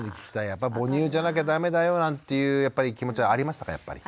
やっぱ母乳じゃなきゃダメだよなんていう気持ちはありましたかやっぱり。